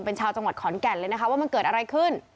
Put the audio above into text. เป็นชาวจังหวัดขอนแก่นเลยนะคะว่ามันเกิดอะไรขึ้น